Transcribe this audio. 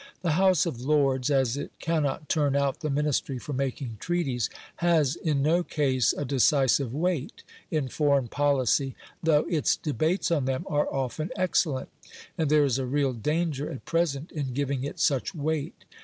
The House of Lords, as it cannot turn out the Ministry for making treaties, has in no case a decisive weight in foreign policy, though its debates on them are often excellent; and there is a real danger at present in giving it such weight.